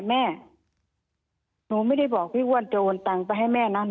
แม่หนูไม่ได้บอกพี่อ้วนจะโอนตังไปให้แม่นั้น